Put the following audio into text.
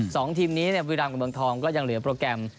สองทีมนี้เนี่ยบุรีรามกับเมืองทองก็ยังเหลือโปรแกรม